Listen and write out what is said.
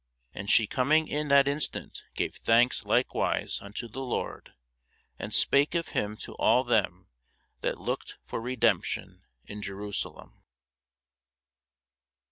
And she coming in that instant gave thanks likewise unto the Lord, and spake of him to all them that looked for redemption in Jerusalem.